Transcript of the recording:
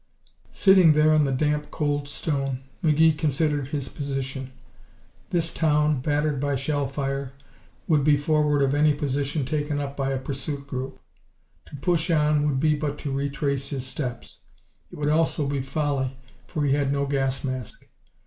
Sitting there on the damp, cold stone, McGee considered his position. This town, battered by shell fire, would be forward of any position taken up by a pursuit group. To push on would be but to retrace his steps. It would also be folly, for he had no gas mask.